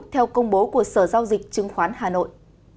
theo công bố của sở giao dịch chứng khoán hà nội